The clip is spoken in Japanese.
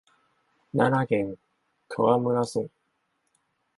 奈良県川上村